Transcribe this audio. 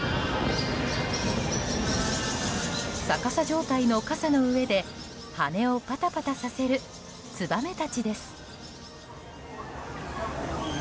逆さ状態の傘の上で羽をパタパタさせるツバメたちです。